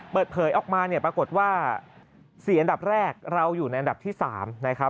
เปิดเผยออกมาเนี่ยปรากฏว่า๔อันดับแรกเราอยู่ในอันดับที่๓นะครับ